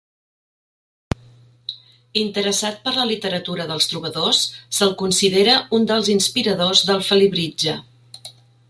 Interessat per la literatura dels trobadors, se'l considera un dels inspiradors del Felibritge.